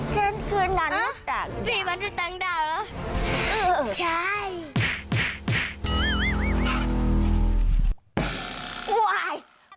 ฉันคือนัดรุ่นต่างดาว